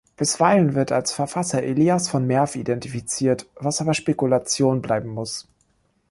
Bisweilen wird als Verfasser Elias von Merw identifiziert, was aber Spekulation bleiben muss.